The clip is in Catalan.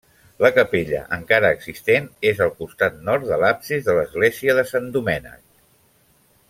La capella, encara existent, és al costat nord de l'absis de l'església de Sant Domènec.